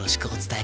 え？